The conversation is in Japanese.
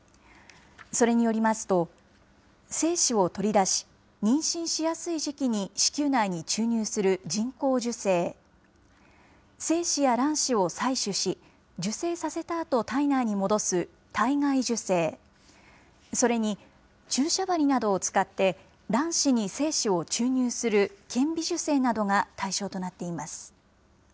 それによりますと、精子を取り出し、妊娠しやすい時期に子宮内に注入する人工授精、精子や卵子を採取し、受精させたあと体内に戻す体外受精、それに注射針などを使って、卵子に精子を注入する顕微授精などが対象となっています。